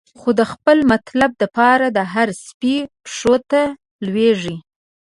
خو د خپل مطلب د پاره، د هر سپی پښو ته لویږی